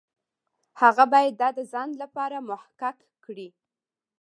هغه باید دا د ځان لپاره محقق کړي.